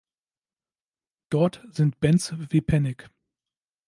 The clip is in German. Dort sind Bands wie Panic!